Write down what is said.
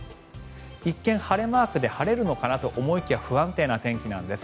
一見、晴れマークで晴れるのかなと思いきや不安定な天気なんです。